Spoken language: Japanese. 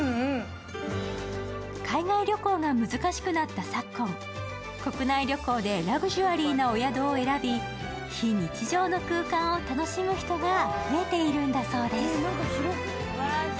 海外旅行が難しくなった昨今、国内旅行でラグジュアリーなお宿を選び、非日常の空間を楽しむ人が増えているんだそうです。